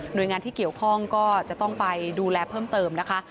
โดยงานที่เกี่ยวข้องก็จะต้องไปดูแลเพิ่มเติมนะคะ